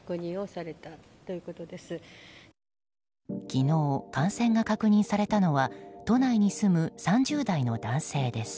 昨日、感染が確認されたのは都内に住む３０代の男性です。